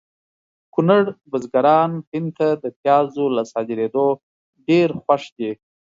کونړ بزګران هند ته د پیازو له صادریدو ډېر خوښ دي